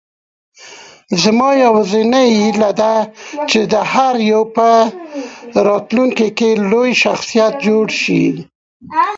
زما یوازینۍ هیله ده، چې هر یو په راتلونکې کې لوی شخصیت جوړ شي.